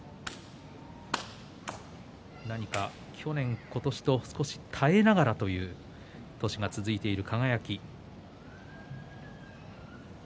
何か去年、今年と少し変えながらという年が続いている輝。